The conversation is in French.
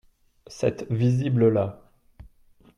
cette visible-là.